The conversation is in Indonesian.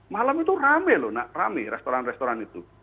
malam itu rame loh rame restoran restoran itu